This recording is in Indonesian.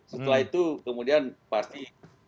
setelah itu kemudian pasti